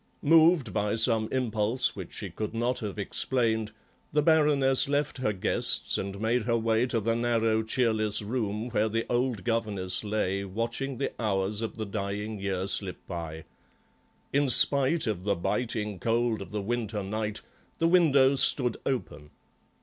Moved by some impulse which she could not have explained, the Baroness left her guests and made her way to the narrow, cheerless room where the old governess lay watching the hours of the dying year slip by. In spite of the biting cold of the winter night, the window stood open.